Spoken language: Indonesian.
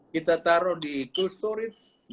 kita taruh di tool storage